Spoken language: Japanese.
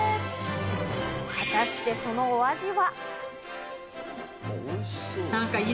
果たして、そのお味は？